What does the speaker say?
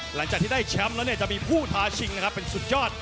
หลังจากที่ได้แชมป์แล้วเนี่ยจะมีผู้ท้าชิงนะครับเป็นสุดยอด